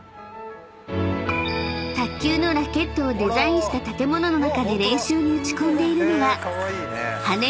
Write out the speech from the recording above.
［卓球のラケットをデザインした建物の中で練習に打ち込んでいるのは］